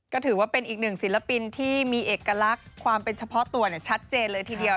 ก็ถือว่าเป็นอีกหนึ่งศิลปินที่มีเอกลักษณ์ความเป็นเฉพาะตัวชัดเจนเลยทีเดียว